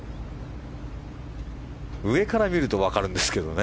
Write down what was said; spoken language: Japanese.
上から見ると分かるんですけどね。